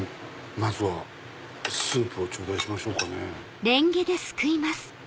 まずはスープを頂戴しましょうかね。